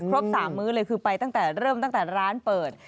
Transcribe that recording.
ครบ๓มื้อเลยคือไปเริ่มตั้งแต่ร้านเปิด